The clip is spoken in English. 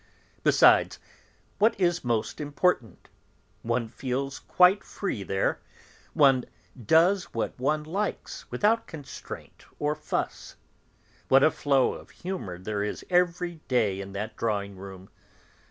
Besides, what is most important, one feels quite free there, one does what one likes without constraint or fuss. What a flow of humour there is every day in that drawing room!